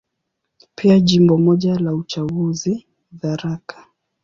Pia Jimbo moja la uchaguzi, Tharaka.